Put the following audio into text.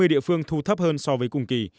hai mươi địa phương thu thấp hơn so với cùng kỳ